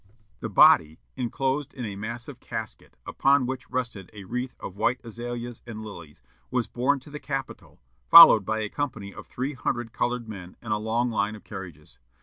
The body, enclosed in a massive casket, upon which rested a wreath of white azaleas and lilies, was borne to the Capitol, followed by a company of three hundred colored men and a long line of carriages.